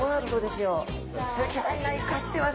すギョいないかしてますね。